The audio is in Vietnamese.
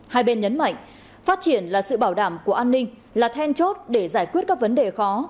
hai bên nhấn mạnh phát triển là sự bảo đảm của an ninh là then chốt để giải quyết các vấn đề khó